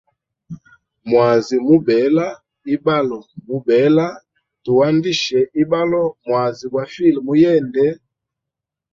Mwazi mubela, ibalo mubela, andisha ibalo, mwazi gwa file muyende.